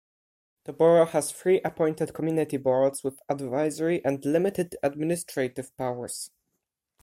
The Borough has three appointed Community Boards with advisory and limited administrative powers.